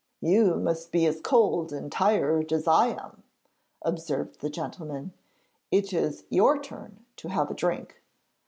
'You must be as cold and tired as I am,' observed the gentleman; 'it is your turn to have a drink.'